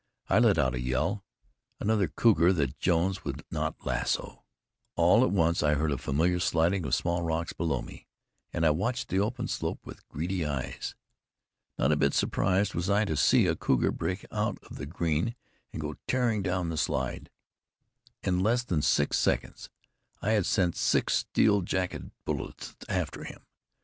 I let out a yell. Another cougar that Jones would not lasso! All at once I heard a familiar sliding of small rocks below me, and I watched the open slope with greedy eyes. Not a bit surprised was I to see a cougar break out of the green, and go tearing down the slide. In less than six seconds, I had sent six steel jacketed bullets after him.